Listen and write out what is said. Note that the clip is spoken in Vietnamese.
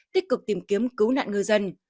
tích cực tìm kiếm cứu nạn ngư dân